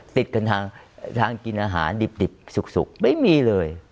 ติดกันทางกินอาหารดิบสุกไม่มีเลย